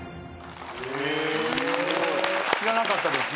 知らなかったですね。